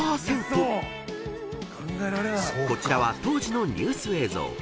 ［こちらは当時のニュース映像］